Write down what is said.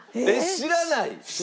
知らない。